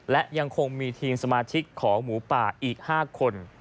และยังคงมีทีมสมาชิกของหมูป่าอีก๕คน